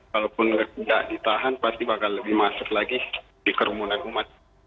walaupun tidak ditahan pasti bakal lebih masuk lagi di kerumunan umat